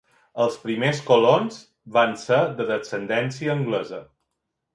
Els primers colons van ser de descendència anglesa.